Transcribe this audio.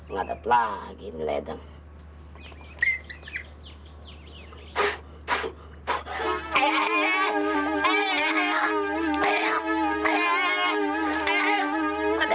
ngedot lagi ini ledang